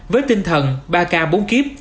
với tinh thần ba k bốn kiếp